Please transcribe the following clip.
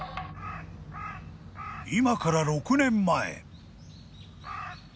［今から６年前］